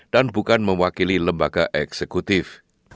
dan bukan mewakili lembaga eksekutif